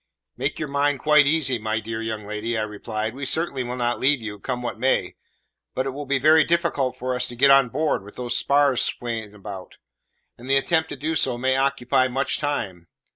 "Make your mind quite easy, my dear young lady," I replied; "we certainly will not leave you, come what may. But it will be very difficult for us to get on board, with those spars swaying about; and the attempt to do so may occupy much time.